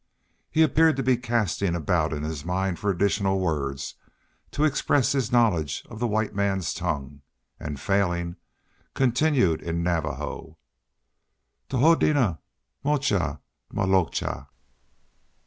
He appeared to be casting about in his mind for additional words to express his knowledge of the white man's tongue, and, failing, continued in Navajo: "Tohodena moocha malocha."